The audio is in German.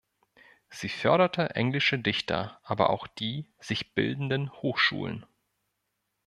Sie förderte englische Dichter, aber auch die sich bildenden Hochschulen.